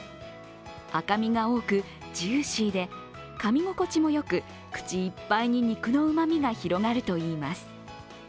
赤みが多く、ジューシーでかみ心地もよく口いっぱいに肉のうまみが広がるといいます。